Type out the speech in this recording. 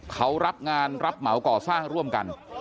เขารับงานรับเหมาก่อสร้างร่วมกัน